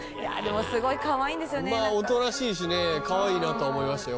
おとなしいしねかわいいなと思いましたよ